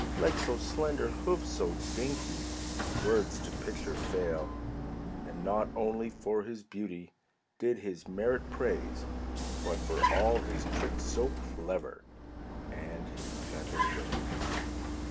Legs so slender, hoofs so dainty, Words to picture fail. And not only for his beauty Did he merit praise, But for all his tricks so clever, And his gentle ways.